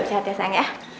sehat ya sang ya